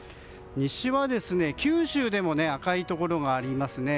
西は、九州でも赤いところがありますね。